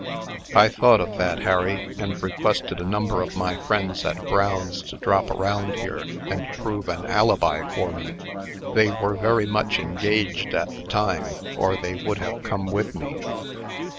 "I thought of that, Harry, and requested a number of my friends at Brown's to drop around here, and prove an alibi for me. They were very much engaged at the time, or they would have come with me."